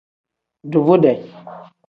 Duvude.